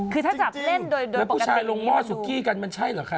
คือถ้าจับเล่นโดยแล้วผู้ชายลงหม้อสุกี้กันมันใช่เหรอคะ